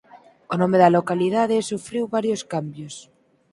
O nome da localidade sufriu varios cambios.